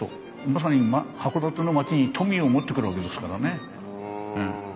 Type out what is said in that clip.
まさに函館の町に富を持ってくるわけですからね。